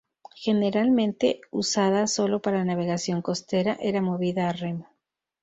Generalmente usada solo para navegación costera, era movida a remo.